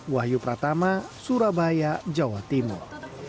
wahyu pratama surabaya jawa timur